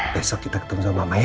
besok kita ketemu sama mama ya